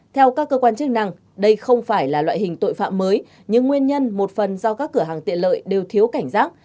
theo các cơ quan chức năng đây không phải là loại hình tội phạm mới nhưng nguyên nhân một phần do các cửa hàng tiện lợi đều thiếu cảnh giác